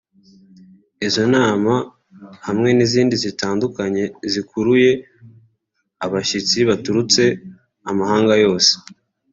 Izo nama hamwe n’izindi zitandukanye zakuruye abashyitsi baturutse amahanga yose